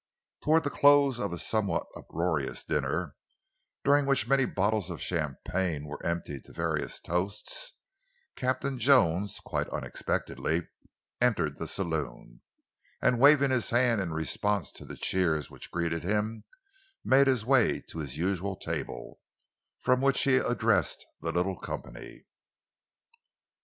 Towards the close of a somewhat uproarious dinner, during which many bottles of champagne were emptied to various toasts, Captain Jones quite unexpectedly entered the saloon, and, waving his hand in response to the cheers which greeted him, made his way to his usual table, from which he addressed the little company.